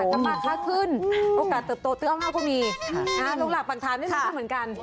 แล้วมาขักขึ้นโอกาสเติบโตเต้อง้าพวกมีลงหลักปังทานได้มากเหมือนกัน